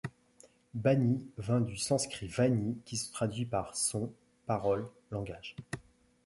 Bani vient du sanskrit vani qui se traduit par: son, parole, langage.